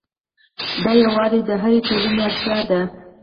دا یووالی د هرې ټولنې اړتیا ده.